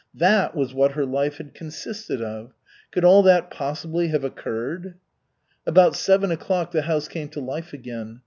That was what her life had consisted of. Could all that possibly have occurred? About seven o'clock the house came to life again.